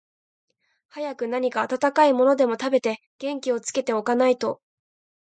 早く何か暖かいものでも食べて、元気をつけて置かないと、